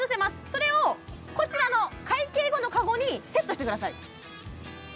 それをこちらの会計後のカゴにセットしてください